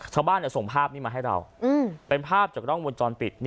ชาวบ้านส่งภาพนี้มาให้เราเป็นภาพจากกล้องวงจรปิด